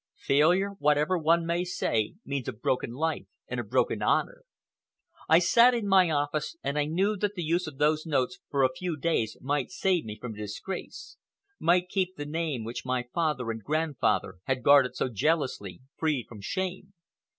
Failure, whatever one may say, means a broken life and a broken honor. I sat in my office and I knew that the use of those notes for a few days might save me from disgrace, might keep the name, which my father and grandfather had guarded so jealously, free from shame.